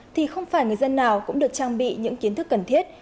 thì không phải người dân nào cũng được trang bị những kiến thức cần thiết